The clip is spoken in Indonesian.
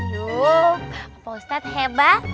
yup opa ustadz hebat